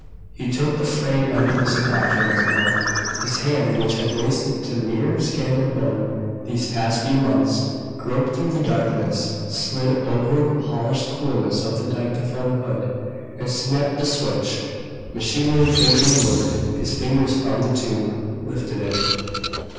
He took the frayed end of the cigar from his mouth. His hand, which had wasted to mere skin and bone these past few months, groped through the darkness, slid over the polished coolness of the dictaphone hood, and snapped the switch. Machinery faintly whirred. His fingers found the tube, lifted it.